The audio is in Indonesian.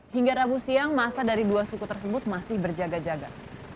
hingga rabu siang masa dari dua suku tersebut masih berjaga jaga